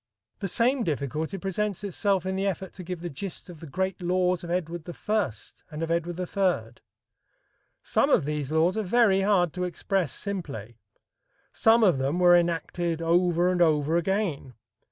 The same difficulty presents itself in the effort to give the gist of the great laws of Edward I and of Edward III. Some of these laws are very hard to express simply; some of them were enacted over and over again.